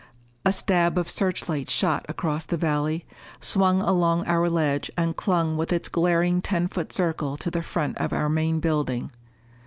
A stab of searchlight shot across the valley, swung along our ledge and clung with its glaring ten foot circle to the front of our main building.